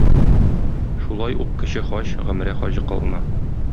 Шулай ук кече хаҗ, гомрә хаҗы кылына.